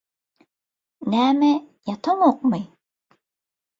Näme ýataňokmy?